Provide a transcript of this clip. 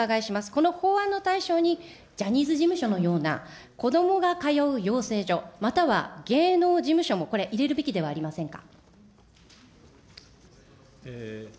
この法案の対象に、ジャニーズ事務所のような子どもが通う養成所、または芸能事務所もこれ、入れるべきではありませんか。